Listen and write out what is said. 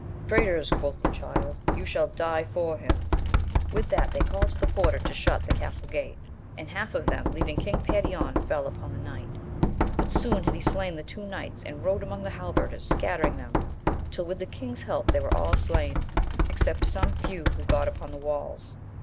Traitors ! quoth the Child^ you shall die for him. Witt IImAi \\iej eaSL<^ \» "Ockfe 38 AMADIS OF GAUL. porter to shut the castle gate ; and half of them leaving King Perion fell upon the knight. But soon had he slain the two knights, and rode among the halberders, scattering them, till, with the king's help, they were all slain, except some some few who got upon the walls.